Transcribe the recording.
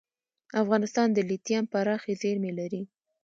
افغانستان د لیتیم پراخې زیرمې لري.